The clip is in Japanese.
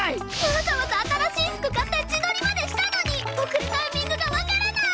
わざわざ新しい服買って自撮りまでしたのに送るタイミングがわからない！